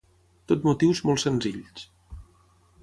Tot motius molt senzills.